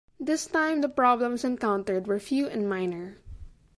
This time the problems encountered were few and minor.